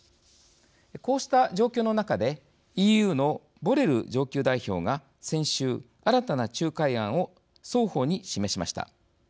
こうした状況の中でＥＵのボレル上級代表が先週、新たな仲介案を双方に示しました。